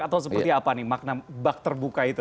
atau seperti apa nih makna bak terbuka itu